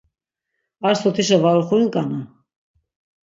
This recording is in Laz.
Ar sotişa var uxuinǩana.